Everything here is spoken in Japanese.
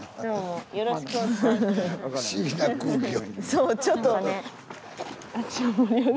そうちょっと。